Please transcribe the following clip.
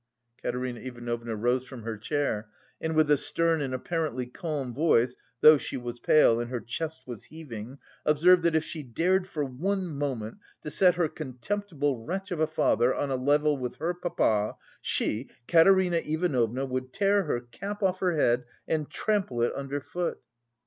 Katerina Ivanovna rose from her chair, and with a stern and apparently calm voice (though she was pale and her chest was heaving) observed that "if she dared for one moment to set her contemptible wretch of a father on a level with her papa, she, Katerina Ivanovna, would tear her cap off her head and trample it under foot."